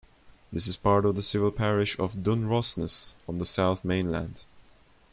It is part of the civil parish of Dunrossness on the South Mainland.